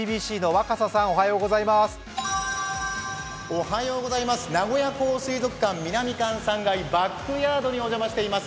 おはようございます名古屋港水族館、南館３階バックヤードにお邪魔しています。